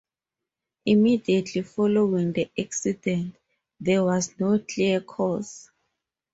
Immediately following the accident, there was no clear cause.